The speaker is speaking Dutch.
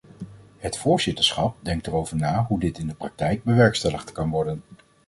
Het voorzitterschap denkt erover na hoe dit in de praktijk bewerkstelligd kan worden.